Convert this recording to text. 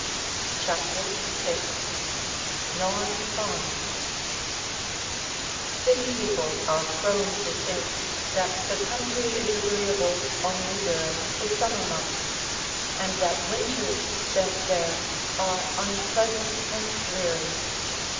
CHAPTER VI NAWN FARM City people are prone to think that the country is agreeable only during the summer months, and that winters spent there are unpleasant and dreary.